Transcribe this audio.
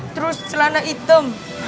terus celana hitam